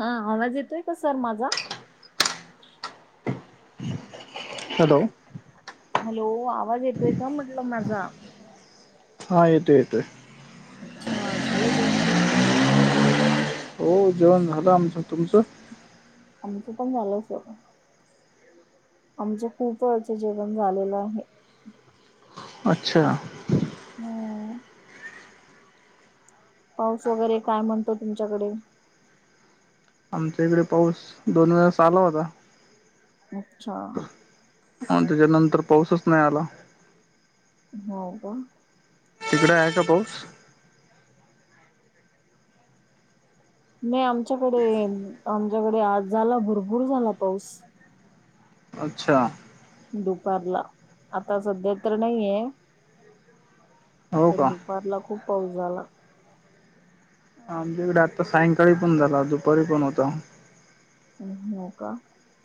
हा आवाज येतोय का सर माझा. हॅलो, हॅलो, आवाज येतोय का म्हटलं माझा. हा येतोय येतोय. अच्छा झालं जेवण? हो जेवण झालं आमचं तुमचं? आमचं पण झालंच. आमचं खूप वळचं जेवण झालेलं आहे. अच्छा. म. पाऊस वगैरे काय म्हणतो तुमच्याकडे. आमचा इकडे पाऊस दोन वेळास आला होता. अच्छा. ह त्याच्या नंतर पाऊसच नाही आला. हो का. तिकडे आहे का पाऊस. नाही आमच्याकडे आमच्याकडे आज झाला भरपूर झाला पाऊस. अच्छा. दुपारला आता सध्या तर नाहीये. हो पण का दुपारला खूप पाऊस झाला. आमच्या इकडे आता सायंकाळी पण झाला दुपारी पण होता. म् हो का,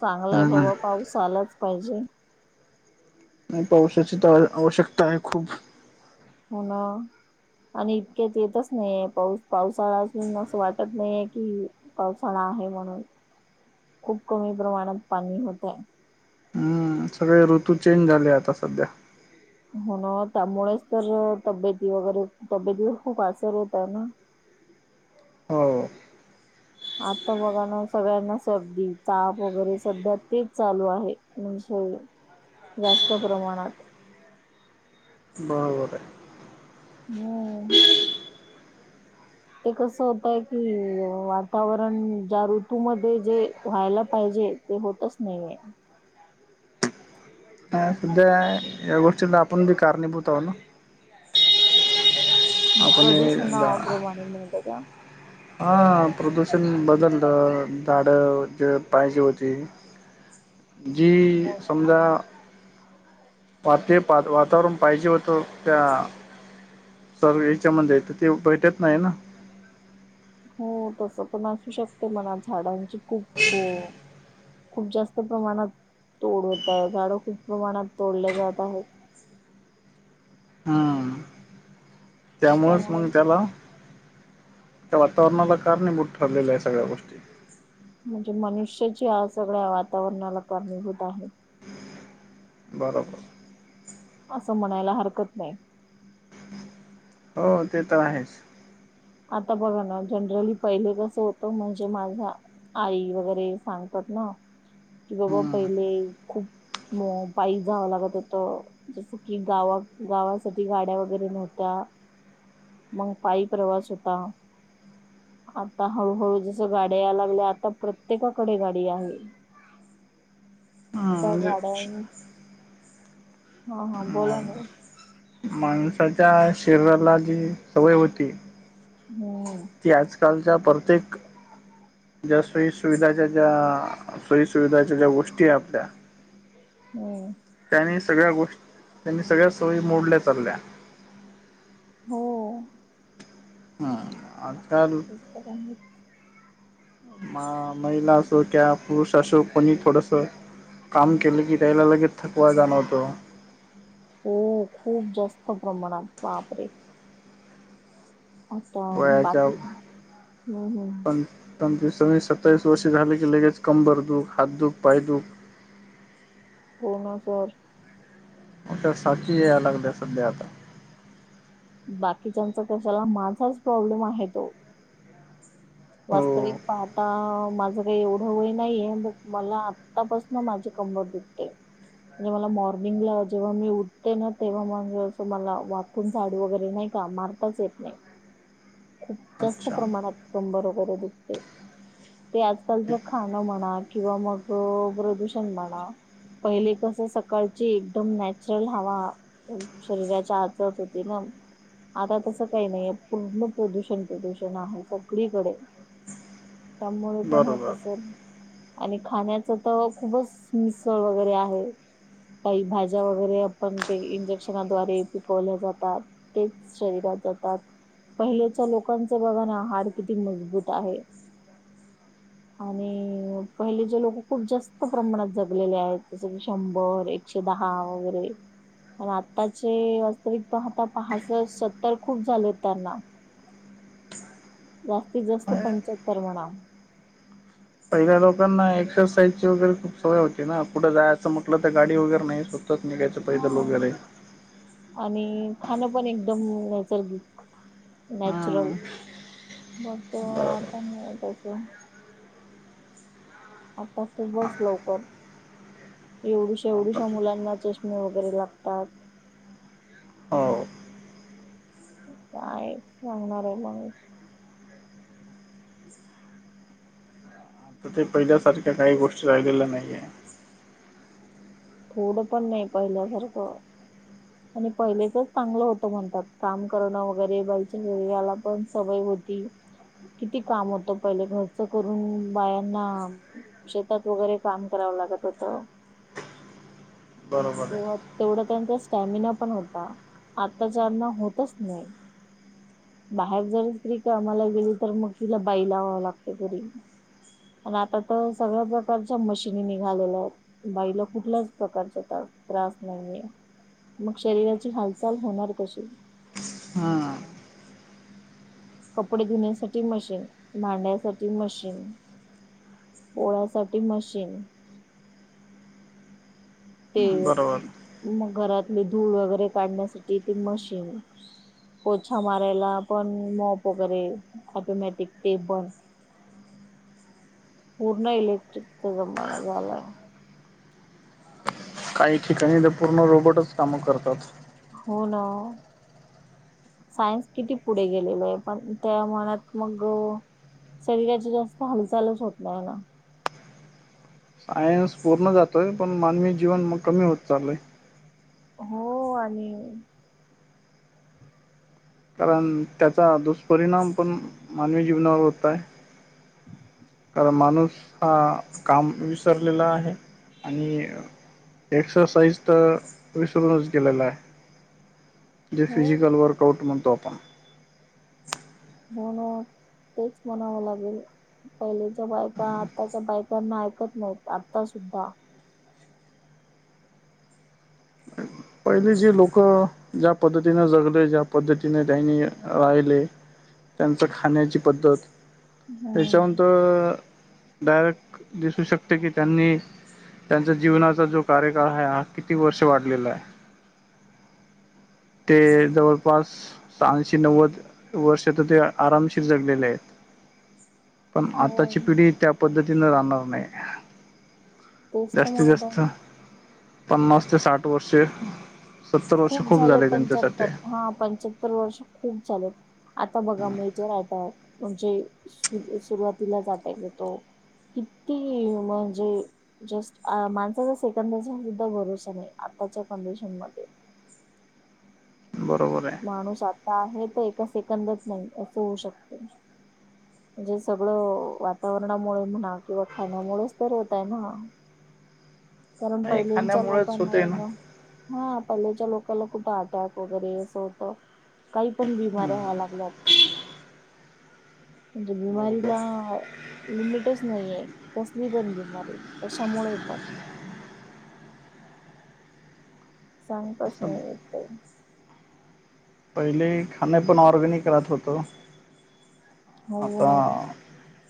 चांगलाय हम्म बाबा पाऊस आलाच पाहिजे. नाही पावसाची तर आवश्यकता आहे खूप. हो ना. आणि इतक्याच येतच नाहीय पाऊस पावसाळा असून असं वाटत नाहीये की पावसाळा आहे म्हणून खूप कमी प्रमाणात पाणी होतय. ह, सगळे ऋतू चेंज झाले आता सध्या. हो ना त्यामुळेच तर तब्येती वगैरे तब्येतीवर खूप आसर होतय ना. हो आता बघा ना सगळ्यांना सर्दी, ताप वगैरे सध्या तेच चालू आहे म्हणजे जास्त प्रमाणात. बरोबर हाय म, हो ते कसं होतय की वातावरण ज्या ऋतूमध्ये जे व्हायला पाहिजे. ते होतच नाहीेय नाही, सध्या या गोष्टीला आपण बी कारणीभूत आहो ना. आपण प्रदूषण हे जा- नावाप्रमाणे मिळतं का? हा प्रदूषण बदललं झाड जे पाहिजे होती. [unintelligible] जी समजा. पा, ते वातावरण पाहिजे होतं त्या. सर्वे याच्यामध्ये येतं ते भेटत नाही ना. हो तस पण असू शकते म्हणा झाडांची खूप तोड खूप जास्त प्रमाणात तोड होत आहे झाडं खूप प्रमाणात तोडले जात आहेत. हा. त्यामुळंच त्यामुळे मग त्याला त्या वातावरणाला कारणीभूत ठरलेल्या आहे सगळ्या गोष्टी. म्हणजे मनुष्यच सगळ्या वातावरणाला कारणीभूत आहे. बरोबर असं म्हणायला हरकत नाही. हो ते तर आहेच. आता बघा ना जनरली पहिले कसं होतं म्हणजे माझा आई वगैरे सांगतात ना की बाबा हम्म पहिले खूप मो, पाई जावं लागत होत. जस की गावा गावासाठी गाड्या वगैरे नव्हत्या. मग पायी प्रवास होता. आता हळूहळू जस गाड्या यायला लागल्या आता प्रत्येकाकडे गाडी आहे. हम्म त म्हणजे गड्या. हा हा बोला म. माणसाच्या शरीराला जी सवय होती. होम्म. ती आजकालच्या प्रत्येक ज्या सोयी सुविधाच्या ज्या सोयी सुविधाच्या ज्या गोष्टी आहे आपल्या हो. त्यांनी सगळ्या गोष्टी त्यांनी सगळ्या सोयी मोडल्या चालल्या. हो. ह अजकाल. [inaudible] म महिला असो क पुरुष असो कोणी थोडस. काम केले की त्यालागेतथकवा जाणतो. हो खूप जास्त प्रमाणात वापरे. अता वयाच्या बाकी हम् हम्. सवी सत्तावीस वर्षे झाले की लगेच कंबर दुख हात दुख पाय दुख. हो ना सर. े सच आहे अलग द सध्या आता. बाकीच्याचा कशाला माझाच प्रॉब्लेम आहे तो. हो वास्तविक पाहता माझं. एवढं वय नाही हे मग मला आत्तापासून माझी कंबर दुखते. म्हणजे मला मॉर्निंगला जेव्हा मी उठते ना तेव्हा मा मला वा. कोण साडू वगैरे नाही का मारताच येत नाही. खूप जास्त अच्छा प्रमाणात कंबर वगैरे दुखते. ते आजकालच खाणं म्हणा किंवा मग प्रदूषण म्हणा. पहिले कसं सकाळची एकदम नॅचरल हवा. शरीराच्या आचत होते मग आता तस काही नाहीये पूर्ण. प्रदूषण प्रदूषण आहे सगळीकडे त्यामुळे पण होत बरोबर असे. आणि खाण्याच तर खूपच मिसळ वगैरे आहे. काही भाज्या वगैरे आपण ते इंजेक्शनाद्वारे पिकवल्या जातात. तेच शरीरात जातात. पहिल्याच्या लोकांच बघा ना हाड किती मजबूत आहे. आणि पहिले जे लोक खूप जास्त प्रमाणात जगलेले आहेत जस की शंभर. अक्ष दहा वगैरे. पण आत्ताचे वास्तविक आता पाास सत्तर खूप झाले हो त्यांना. जास्तीत जास्त पंच्याहत्तर म्हणा. पहिल्या लोकांना एक्सरसाईजची वगैरे खूप सवय होती ना कुठं जायचं म्हटलं तर गाडी वगैरे नाहीच. च निघयचं पाहिज लो हा घेलेही. आणि खाणं पण एकदम नैसर्गिक नॅचरल. हम्म बत बरोबर आतास. आता खूपच लवकर. एवढुश्या आता एवढुश्या मुलांना चष्मे वगैरे लागतात. हो काय सांगणार आहे मग. तर ते पहिल्यासारख्या काही गोष्टी राहिलेल्या नाहीये. थोडं पण नाही पहिल्यासारखं. आणि पहिलेचच चांगलं होतं मणतात काम करण वगिरे बाईच्या व्याला पण सवय होती. किती काम होत पइले घरचं करून बायांना शेतात वगेरे काम करावं लागत होत. बरोबर तेव्हा आहे. तेवडा त्यांचा स्टॅमिना पण होता आता ज्याना होतच नाइ बाहेर जर स्त्री कामाला गेली तर मग तिला बाई लाव लागते घरी प आता तर सगळ्या प्रकारच्या मशीनी निघालेल्या आहेत बाई ल कुटल्याच प्रकारचा तास त्रास नाइये मग शरीराची हालचाल होणार कशी हा कपडे धुण्यासाटी मशीन भांड्यांसाटी मशीन पोळ्यासाटी मशीन ते बरोबर मग घरातले धूळ वगेरे काढण्यासाटी ते मशीन पोछा मारायला पण मोप वगेरे ऑटोमॅटिक ते पण पूर्ण इलेक्ट्रिकचा जमाना झालाय काइ ठिकाणी तर पूर्ण रोबोटच कामं करतात हो ना सायन्स किती पुडे गेलेलंये पण त्या मनात मग शरीराची जास्त हालचालच होत नाइय ना सायन्स पूर्ण जातोय पण मानवी जीवन मग कमी होत चालय हो आणि कारण त्याचा दुष्परिणाम पण मानवी जीवनावर होताय अ कारण माणूस आ काम विसरलेला आहे आणि आ एक्सरसाइज तर विसरूनच गेलेलाय जे हो फिजिकल वर्कआउट मणतो आपण होनो तेच मणावं लागेल पइलच्या बायका आताच्या बायकांना ऐकत नाइत आता सुद्धा पइलची लोकं ज्या पदतीने जगले ज्या पदतीने त्यांनी राहिले त्यांचं खाण्याची पद्धत हम्म. त्याच्यावरंत डायरेक्ट दिसू शकते की त्यांनी त्यांचा जीवनाचा जो कार्यकाळ हाय हा किती वर्ष वाडलेलाय ते जवळपास सहाशे नव्वद वर्ष तर ते आरामशीर जगलेले आहेत पण हो आताची पिडी त्या पद्धतीन राहणार नाइ तेच तर जास्तीत म्हणत आहे. जास्त मी. पन्नास ते साठ वर्षे सत्तर वर्ष खूप झालेत पंच्याअत्तर हा पंच र वर्ष खूप चालत आता बघा मी तर रा आता म्हणजे सुरुवातीलाचटय येतो किती म्हणजे? जस्ट माणसाचा सेकंदा सुदा भरोसा नाही आत्ताच्या कंडिशन मध्ये बरोबरय माणूस आता आहे तर एका सेकंदात नाई असं होऊ शकत हे सगळं वातावरणामुळे म्हणा किंवा खाण्यामुळेच तर होतय ना कारण नाही पइल्यांच्या खाण्यामुळेच लोकांना होते ना एगं हा पइल्याच्या लोकांला खूप अटॅक वगेरे असं होत काही पण बिमाऱ्या व्हाय लागल्यात कोज मी बरोबर माारला लिमिटच नाहीये, कसली बंदली मारी कश्यामुळे पण सांगताच सब नाही येत काही पहिले खाणे पण ऑरगॅनिक राहत होतो हो आता ना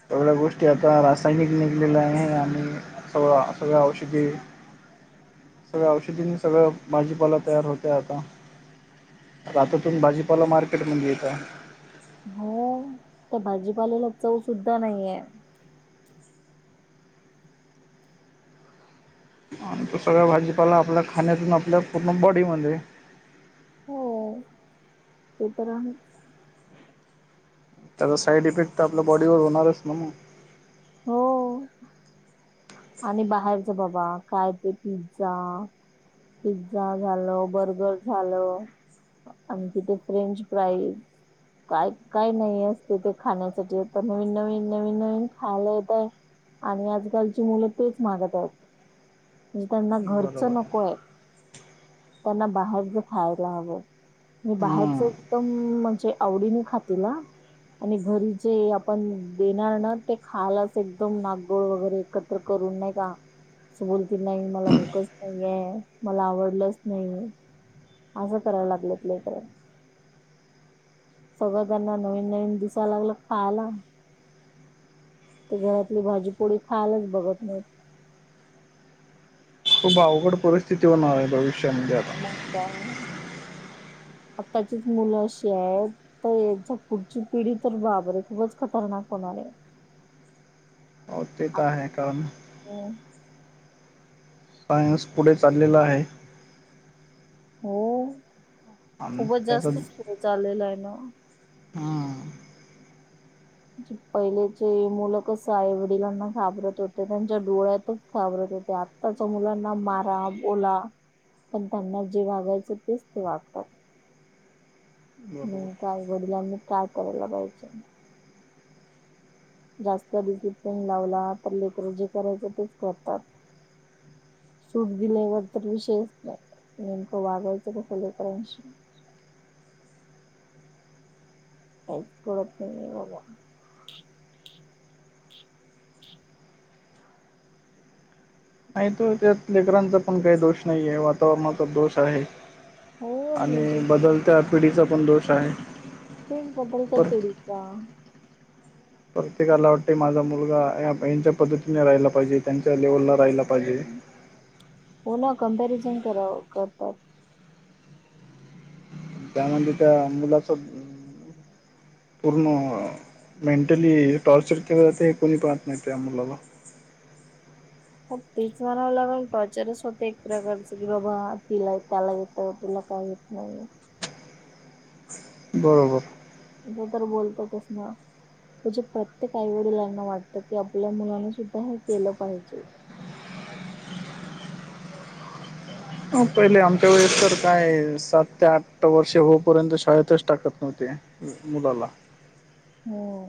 सगळ्या गोष्टी आता रासायनिक निघलेल्या आहे आणि हो आता या औषधी सगळ्या औषधींनी सगळं भाजीपाला तयार होतोय आता आताातून भाजीपावला मार्केटमध्येध्ये येत हो त्या भाजीपाल्याला चव सुदा नाइये आणि तो सगळा भाजीपाला आपल्या खाण्यातून आपल्या पूर्ण बॉडीमध्ये हो, ते तर आहे. त्याचा साईड इफेक्ट तर आपल्या बॉडीवर होणारच ना मग. हो. आणि बाहेरच बाबा काय ते पिझ्झा पिझ्झा झालं, बर्गर झालं. आणखि ते फ्रेंच फ्राइस काय काय नाही येत तिथे खाण्यासाठी आता नवीन नवीन नवीन नवीन खायला येतय आणि आजकालची मुलं तेच मागताय. म्हणजे त्यांना बरोबर घरचं आहे नकोय. त्यांना बाहेरच खायला हवं. आणि बाहेरच हम्म एकदम म्हणजे आवडीने खातील हा. आणि घरीचे हे आपण देणार ना ते खायलाच एकदम नागगोळ वगैरे एकत्र करून नाही का अस बोलतील नाही मला भूकच नाहीये, मला आवडलंच नाही असं करायला लागलंत लेकरं. सगळं त्यांना नवीन नवीन दिसायला लागलं खायला ते घरातली भाजीपोळी खायलच बघत नाही. खूप अवघड परिस्थिती होणार आहे भविष्यामध्ये आता मग काय, आत्ताचीच मुलं अशी आहेत तर यांच्या पुढची पिढी तर बापरे, खूपच खतरनाक होणार आहे. [inaudible] हो, ते तर आहे काम हो सायन्स पुढे चाललेला आहे हो, आणि खूपच त्याचा जास्तच पुढे चाललेला आहे ना? हम्म पहिलेचे मुलं कस आई वडिलांना घाबरत होते त्यांच्या डोळ्यातच घाबरत होते, आता आत्ताच मुलांना मारा बोला पण त्यांना जे वागायचं तेच ते वागतात. न बरोबर त्या आई वडलांनी काय करायला पाहिजचं? जास्त डिसिप्लिन लावला तर लेकर जे करायच तेच करतात. सूट दिल्यावर तर विषयच नाही, नेमकं वागायचं कसं लेकरांशी? काहीचं कळत नाहीये बघा. आणि ते त्यात लेकरांचा पण काही दोष नाहीये, वातावरणाचा दोष आहे. हो आणि म्हणजे बदलत्या पिढीचा पण दोष आहे. बदलत्या पर पिढीचा प्रत्येकाला वाटते माझा मुलगा यांच्या पद्धतीने राहिला पाहिजे, त्यांच्या लेवलला राहियला पाहिजे हो ना, कम्पॅरिझन कराव करतात. त्यामध्ये त्या मुलाचा, पूर्ण मेंटली टॉर्चर केलं जातं हे कोणी पाहत नाही त्या मुलाला. तेच म्हणावं लागेल टॉर्चरच होत एक प्रकारच की बाबा तिला, त्याला येतं, तुला काय येत नाही. हो [unintelligible] बरोबर क तर बोलतोत च ना. म्हणजे प्रत्येक आई वडिलांना वाटतं की आपल्या मुलाने सुद्धा हे केलं पाहिजे. हो पहिले आमच्या वेळेस तर काय, सात ते आठ वर्षे हो पर्यंत शाळेतच टाकत नव्हते. मुलाला हो.